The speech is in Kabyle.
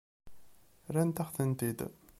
Rrant-aɣ-tent-id.